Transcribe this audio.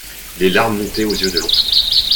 Les larmes montaient aux yeux de l’enfant.